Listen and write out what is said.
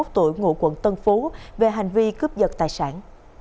ba mươi một tuổi ngụ quận tân phú về hành vi cướp dật tài sản